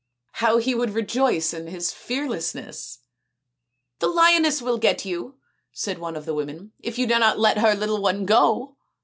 How he would rejoice in his fearlessness !" The lioness will get you," said one of the women, " if you do not let her little one go